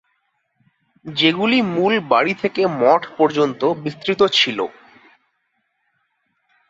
যেগুলো মূল বাড়ি থেকে মঠ পর্যন্ত বিস্তৃত ছিল।